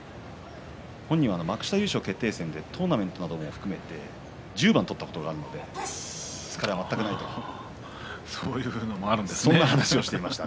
本人は幕下優勝決定戦でトーナメントも含めて１０番取ったことがあるので疲れは全くないと言ってました。